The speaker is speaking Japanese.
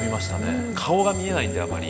顔が見えないんであまり。